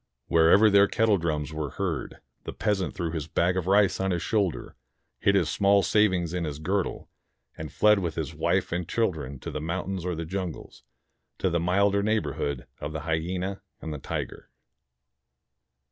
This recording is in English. Wherever their kettledrums were heard, the peasant threw his bag of rice on his shoulder, hid his small savings in his girdle, and fled with his wife and children to the mountains or the jungles, to the milder neighborhood of the hyena and the tiger.